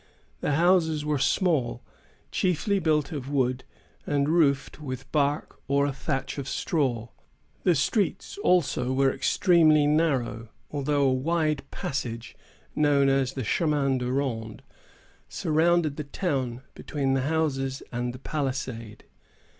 The houses were small, chiefly built of wood, and roofed with bark or a thatch of straw. The streets also were extremely narrow, though a wide passage way, known as the chemin du ronde, surrounded the town, between the houses and the palisade.